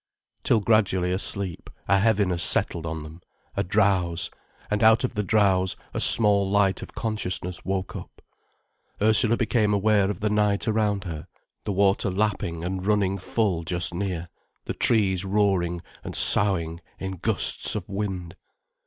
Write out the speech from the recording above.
Till gradually a sleep, a heaviness settled on them, a drowse, and out of the drowse, a small light of consciousness woke up. Ursula became aware of the night around her, the water lapping and running full just near, the trees roaring and soughing in gusts of wind.